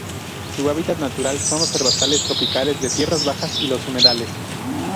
Su hábitat natural son los herbazales tropicales de tierras bajas y los humedales.